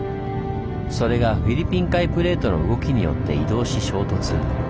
それがフィリピン海プレートの動きによって移動し衝突。